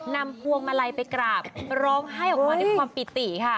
พวงมาลัยไปกราบร้องไห้ออกมาด้วยความปิติค่ะ